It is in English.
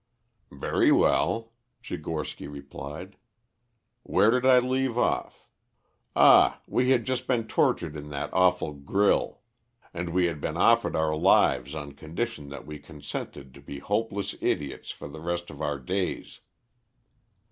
"Very well," Tchigorsky replied. "Where did I leave off? Ah, we had just been tortured on that awful grill. And we had been offered our lives on condition that we consented to be hopeless idiots for the rest of our days.